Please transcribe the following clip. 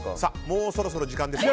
もうそろそろ時間です。